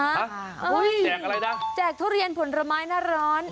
แจกอะไรนะโอ๊ยแจกทุเรียนผลไม้น่าร้อน